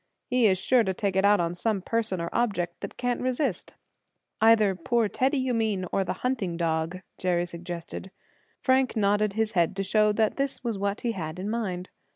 He is sure to take it out on some person or object that can't resist." "Either poor Teddy, you mean, or the hunting dog," Jerry suggested. Frank nodded his head to show that this was what he had in mind.